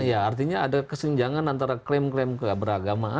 ya artinya ada kesenjangan antara klaim klaim beragama